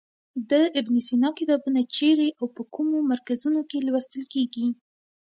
د ابن سینا کتابونه چیرې او په کومو مرکزونو کې لوستل کیږي.